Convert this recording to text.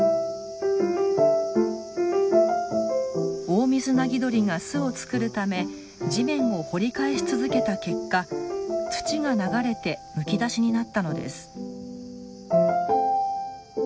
オオミズナギドリが巣を作るため地面を掘り返し続けた結果土が流れてむき出しになったのです。